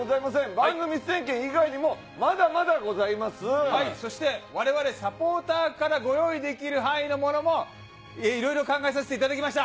番組出演権以外にも、まだまだごそして、われわれサポーターからご用意できる範囲のものも、いろいろ考えさせていただきました。